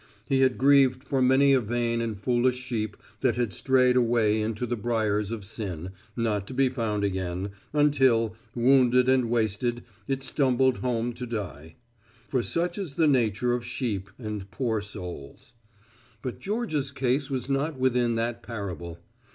He had grieved for many a vain and foolish sheep that had strayed away into the briers of sin, not to be found again, until, wounded and wasted, it stumbled home to die. For such is the nature of sheep and poor souls. But Georgia's case was not within that parable.